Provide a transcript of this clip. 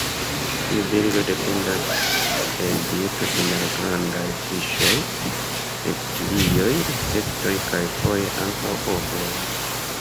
Tiu birdo dependas el dieto de malgrandaj fiŝoj, reptilioj, insektoj kaj foje ankaŭ ovoj.